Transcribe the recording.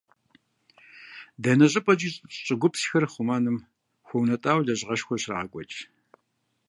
Дэнэ щӀыпӀи щӀыгупсхэр хъумэным хуэунэтӀауэ лэжьыгъэшхуэ щрагъэкӀуэкӀ.